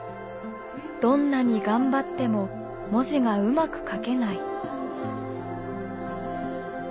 どんなに頑張っても文字がうまく書けない。